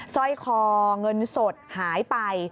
สร้อยคอเงินสดหายไป